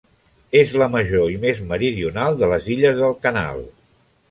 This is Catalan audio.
És la major i més meridional de les illes del Canal.